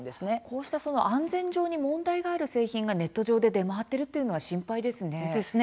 こうした安全上に問題がある製品がネットで出回っているというのは心配ですね。